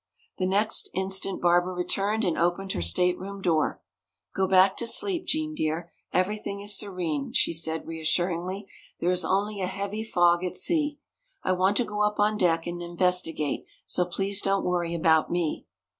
The next instant Barbara returned and opened her stateroom door. "Go back to sleep, Gene dear, everything is serene," she said reassuringly; "there is only a heavy fog at sea. I want to go up on deck and investigate, so please don't worry about me."